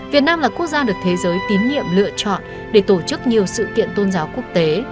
việt nam là quốc gia được thế giới tín nhiệm lựa chọn để tổ chức nhiều sự kiện tôn giáo quốc tế